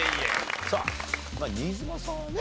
さあ新妻さんはね